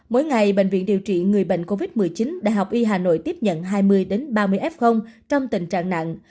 mỗi ngày bệnh viện điều trị người bệnh covid một mươi chín đại học y hà nội tiếp nhận hai mươi ba mươi f trong tình trạng nặng